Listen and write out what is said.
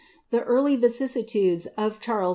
The early vicissitudes of Charles II.